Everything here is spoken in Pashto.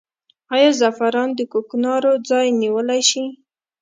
آیا زعفران د کوکنارو ځای نیولی شي؟